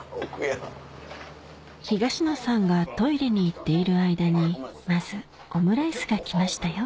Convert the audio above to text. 東野さんがトイレに行っている間にまずオムライスが来ましたよ